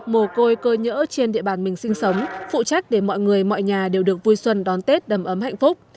mồ côi cơ nhỡ trên địa bàn mình sinh sống phụ trách để mọi người mọi nhà đều được vui xuân đón tết đầm ấm hạnh phúc